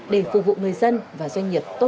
để phục vụ người dân và doanh nghiệp tốt hơn nữa